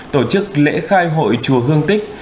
tổ chức lễ khai hội chùa hương tích